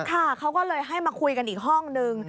ค่ะเขาก็เลยให้มาคุยกันอีกห้องนึง